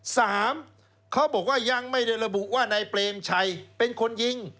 สามเขาบอกว่ายังไม่ได้ระบุว่านายเปรมชัยเป็นคนยิง